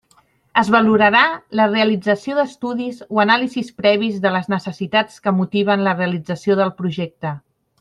Es valorarà la realització d'estudis o anàlisis previs de les necessitats que motiven la realització del projecte.